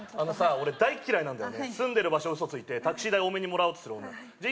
俺大っ嫌いなんだよね住んでる場所嘘ついてタクシー代多めにもらおうとする女じゃあ